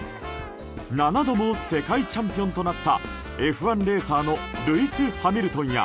７度も世界チャンピオンとなったＦ１レーサーのルイス・ハミルトンや